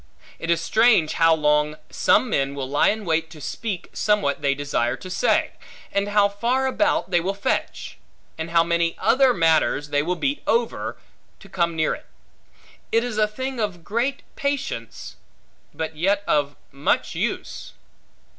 It is strange how long some men will lie in wait to speak somewhat they desire to say; and how far about they will fetch; and how many other matters they will beat over, to come near it. It is a thing of great patience, but yet of much use.